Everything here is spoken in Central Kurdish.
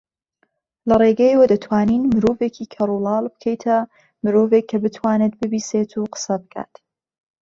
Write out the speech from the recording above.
لەرێگەیەوە دەتوانین مرۆڤێکی کەڕولاڵ بکەیتە مرۆڤێک کە بتوانێت ببیستێت و قسە بکات